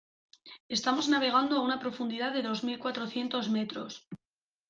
estamos navegando a una profundidad de dos mil cuatrocientos metros.